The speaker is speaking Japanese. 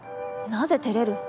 なぜてれる？